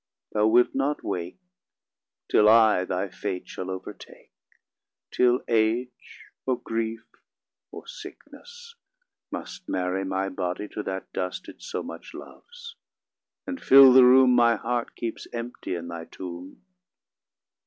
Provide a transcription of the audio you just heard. Thou wilt not wake, Till I thy fate shall overtake: Till age, or grief, or sickness, must Marry my body to that dust It so much loves; and fill the room My heart keeps empty in thy tomb.